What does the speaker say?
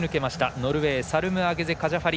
ノルウェーサルムアゲゼ・カシャファリ。